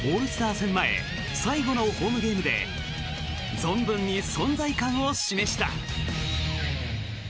戦前最後のホームゲームで存分に存在感を示した。